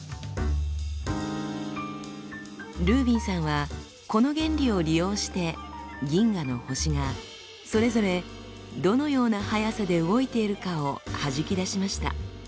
ルービンさんはこの原理を利用して銀河の星がそれぞれどのような速さで動いているかをはじき出しました。